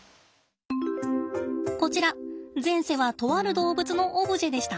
こちら前世はとある動物のオブジェでした。